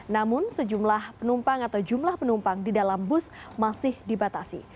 namun sejumlah penumpang atau jumlah penumpang di dalam bus masih dibatasi